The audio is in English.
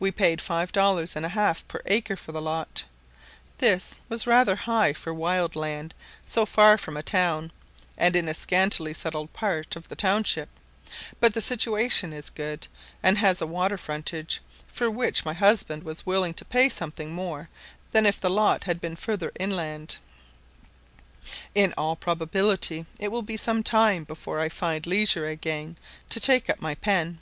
We paid five dollars and a half per acre for the lot; this was rather high for wild land, so far from a town, and in a scantily settled part of the township; but the situation is good, and has a water frontage, for which my husband was willing to pay something more than if the lot had been further inland. In all probability it will be some time before I find leisure again to take up my pen.